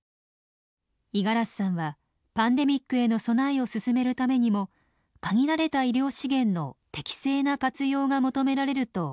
五十嵐さんはパンデミックへの備えを進めるためにも限られた医療資源の適正な活用が求められると考えています。